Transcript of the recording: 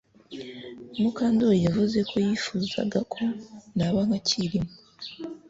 Mukandoli yavuze ko yifuzaga ko naba nka Kirima